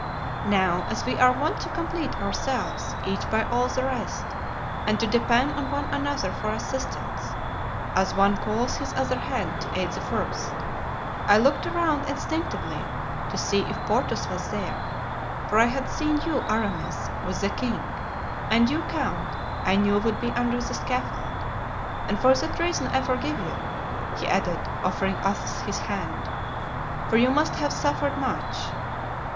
Now, as we are wont to complete ourselves each by all the rest and to depend on one another for assistance, as one calls his other hand to aid the first, I looked around instinctively to see if Porthos was there; for I had seen you, Aramis, with the king, and you, count, I knew would be under the scaffold, and for that reason I forgive you," he added, offering Athos his hand, "for you must have suffered much.